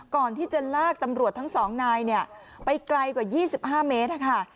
ก่อนที่จะลากตำรวจทั้ง๒นายไปไกลกว่า๒๕เมตรค่ะ